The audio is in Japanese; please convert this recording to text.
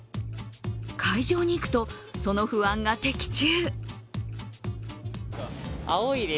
会場に行くと、その不安が的中。